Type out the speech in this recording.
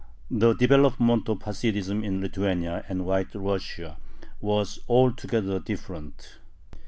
The development of Hasidism in Lithuania and White Russia was altogether different.